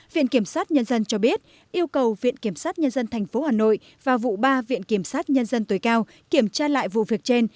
viện kiểm sát nhân dân cho biết yêu cầu viện kiểm sát nhân dân tp hà nội và vụ ba viện kiểm sát nhân dân tối cao kiểm tra lại vụ việc trên